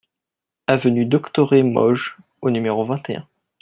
Avenue Doctoré Moges au numéro vingt et un